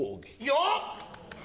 よっ！